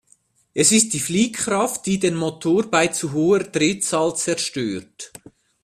Es ist die Fliehkraft, die den Motor bei zu hoher Drehzahl zerstört.